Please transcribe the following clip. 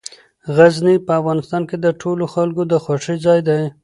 غزني په افغانستان کې د ټولو خلکو د خوښې ځای دی.